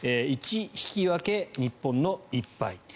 １引き分け、日本の１敗。